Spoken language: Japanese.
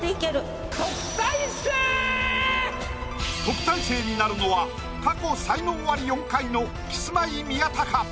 特待生になるのは過去才能アリ４回のキスマイ宮田か？